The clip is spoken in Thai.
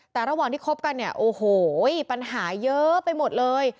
แต่ระหว่างที่คบกันเนี่ยโอ้โหปัญหาเยอะไปหมดเลย